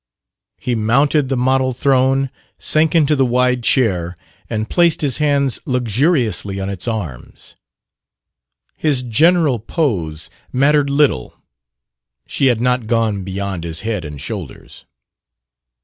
He mounted the model throne, sank into the wide chair, and placed his hands luxuriously on its arms. His general pose mattered little: she had not gone beyond his head and shoulders.